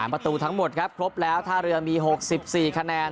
ประตูทั้งหมดครับครบแล้วท่าเรือมี๖๔คะแนน